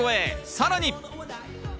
さらに。